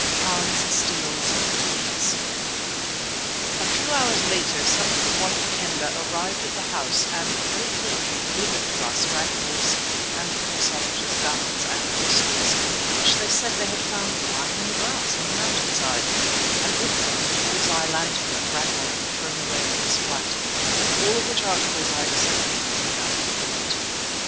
HANS STEALS THE KEYS A few hours later some of the White Kendah arrived at the house and very politely delivered to us Ragnall's and poor Savage's guns and pistols, which they said they had found lying in the grass on the mountain side, and with them the bull's eye lantern that Ragnall had thrown away in his flight; all of which articles I accepted without comment.